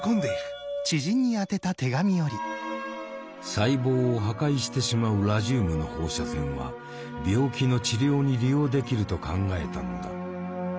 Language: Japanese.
細胞を破壊してしまうラジウムの放射線は病気の治療に利用できると考えたのだ。